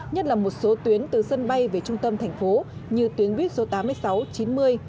nhất là một số tuyến từ sân bay về trung tâm thành phố như tuyến buýt số tám mươi sáu chín mươi